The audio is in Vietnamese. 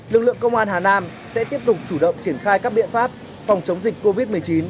lực lượng công an hà nam sẽ tiếp tục chủ động triển khai các biện pháp phòng chống dịch covid một mươi chín